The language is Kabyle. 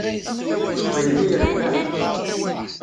Yuba yella irebbeḥ.